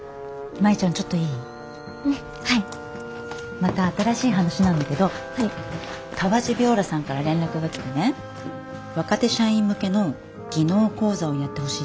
また新しい話なんだけどカワチ鋲螺さんから連絡が来てね若手社員向けの技能講座をやってほしいって。